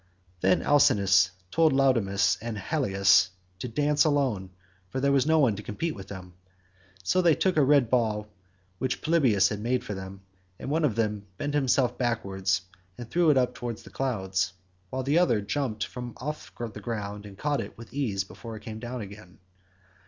Then Alcinous told Laodamas and Halius to dance alone, for there was no one to compete with them. So they took a red ball which Polybus had made for them, and one of them bent himself backwards and threw it up towards the clouds, while the other jumped from off the ground and caught it with ease before it came down again.